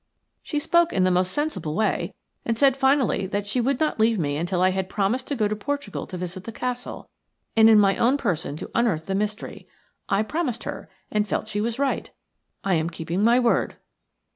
She spoke in the most sensible way, and said finally that she would not leave me until I had promised to go to Portugal to visit the castle, and in my own person to unearth the mystery. I promised her and felt she was right. I am keeping my word."